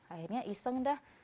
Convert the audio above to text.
akhirnya iseng dah